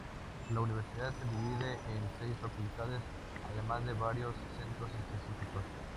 La universidad se divide en seis facultades, además de varios centros específicos.